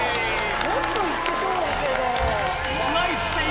もっといってそうだけど。